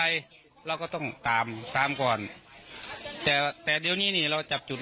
ครับมันน่าจะเป็นแบบนั้นแหละ